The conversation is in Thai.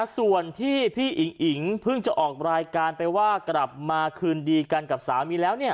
ส่วนที่พี่อิ๋งอิ๋งเพิ่งจะออกรายการไปว่ากลับมาคืนดีกันกับสามีแล้ว